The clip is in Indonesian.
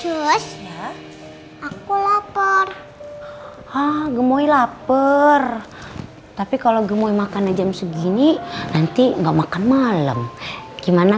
jules aku lapar ha gemoy lapar tapi kalau gemoy makannya jam segini nanti enggak makan malam gimana